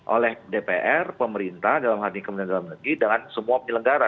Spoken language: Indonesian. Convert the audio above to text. oleh dpr pemerintah dalam hati kemudian kemudian kemudian kemudian semua pilih negara